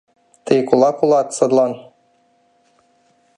— Тый кулак улат, садлан!